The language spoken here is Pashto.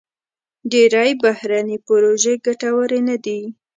ډېری بهرني پروژې ګټورې نه دي.